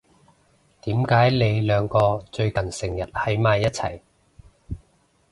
點解你兩個最近成日喺埋一齊？